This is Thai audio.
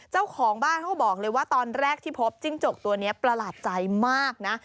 เจ้าของบ้านเขาก็บอกเลยว่าตอนแรกที่พบจิ้งจกตัวนี้ประหลาดใจมากนะ